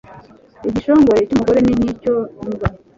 igishongore cy'umugore ni nk'icyo imbwa